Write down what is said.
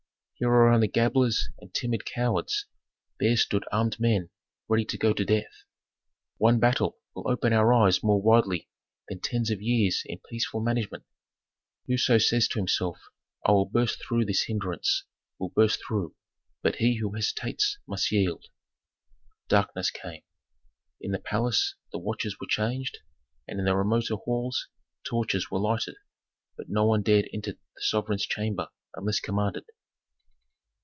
Here are only gabblers and timid cowards; there stood armed men ready to go to death. "One battle will open our eyes more widely than tens of years in peaceful management. Whoso says to himself, 'I will burst through this hindrance,' will burst through it. But he who hesitates must yield." Darkness came. In the palace the watches were changed, and in the remoter halls torches were lighted. But no one dared enter the sovereign's chamber unless commanded.